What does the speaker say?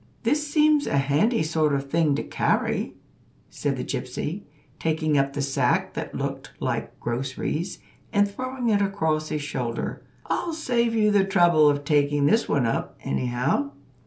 "This seems a handy sort of thing to carry," said the gypsy, taking up the sack that looked like groceries, and throwing it across his shoulder. "I'll save you the trouble of taking this one up, anyhow."